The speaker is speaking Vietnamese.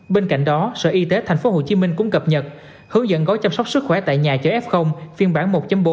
bên cạnh đó sở y tế tp hcm cũng cập nhật hướng dẫn gói chăm sóc sức khỏe tại nhà cho f phiên bản một bốn